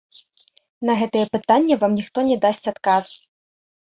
На гэтае пытанне вам ніхто не дасць адказ.